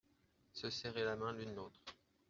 Se serrer la main l’une l’autre.